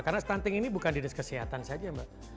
karena stunting ini bukan dinas kesehatan saja mbak